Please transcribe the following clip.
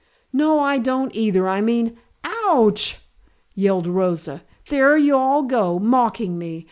"No, I don't either. I mean " "Ouch!" yelled Rosa. "There you all go; mocking me.